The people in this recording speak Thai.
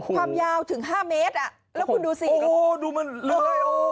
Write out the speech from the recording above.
ความยาวถึง๕เมตรอ่ะแล้วคุณดูสิโอ้โหดูมันเลย